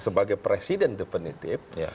sebagai presiden definitif